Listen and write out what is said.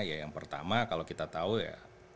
ya yang pertama kalau kita tahu ya